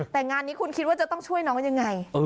แต่งานนี้คุณคิดว่าจะต้องช่วยน้องยังไง